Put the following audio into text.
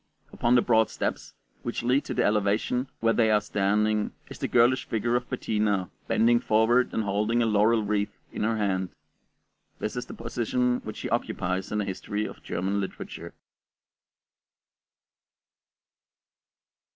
Upon the broad steps which lead to the elevation where they are standing, is the girlish figure of Bettina bending forward and holding a laurel wreath in her hand. This is the position which she occupies in the history of German literature.